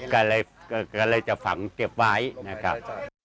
ก็เลยจะฝังเก็บไว้นะครับ